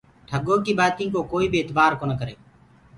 ٺڳو ڪيٚ بآتينٚ ڪو ڪوئي بي اتبآر ڪونآ ڪري۔